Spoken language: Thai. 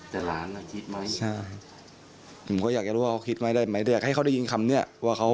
ผมก็อยากจะรู้ว่าเขาคิดไหมได้ไหมอยากให้เขาได้ยินคำเนี่ยว่าเขา